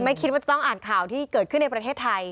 คิดว่าจะต้องอ่านข่าวที่เกิดขึ้นในประเทศไทย